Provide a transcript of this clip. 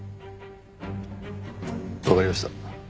わかりました。